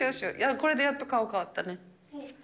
これでやっと顔変わったね。